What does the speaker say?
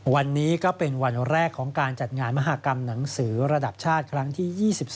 วันนี้ก็เป็นวันแรกของการจัดงานมหากรรมหนังสือระดับชาติครั้งที่๒๒